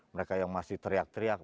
mereka yang masih teriak teriak